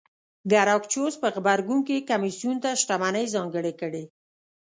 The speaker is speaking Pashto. ګراکچوس په غبرګون کې کمېسیون ته شتمنۍ ځانګړې کړې